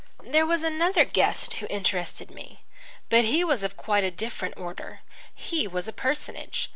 There was another guest who interested me. But he was of quite a different order. He was a personage.